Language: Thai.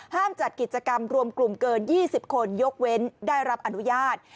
จัดกิจกรรมรวมกลุ่มเกิน๒๐คนยกเว้นได้รับอนุญาต